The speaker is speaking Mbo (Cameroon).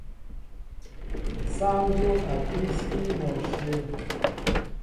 Sááŋ dyóp a bííy síní mɔ ǹshyə̂.